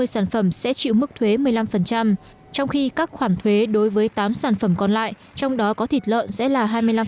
ba mươi sản phẩm sẽ chịu mức thuế một mươi năm trong khi các khoản thuế đối với tám sản phẩm còn lại trong đó có thịt lợn sẽ là hai mươi năm